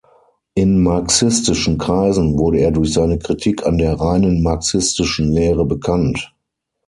In marxistischen Kreisen wurde er durch seine Kritik an der reinen marxistischen Lehre bekannt.